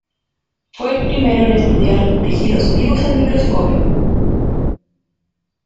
Fue el primero en estudiar tejidos vivos al microscopio.